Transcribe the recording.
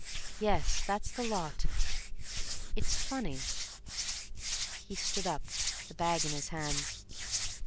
"Yes, that's the lot. It's funny." He stood up, the bag in his hands.